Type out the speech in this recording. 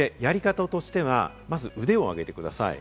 やり方としては、まず腕を上げてください。